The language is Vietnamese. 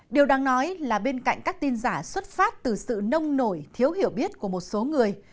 điều đáng nói là bên cạnh các tin giả xuất phát từ sự nông nổi thiếu hiểu biết của một số người